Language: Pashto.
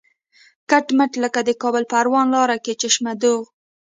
کټ مټ لکه د کابل پروان لاره کې چشمه دوغ.